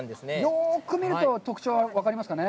よく見ると特徴が分かりますかね。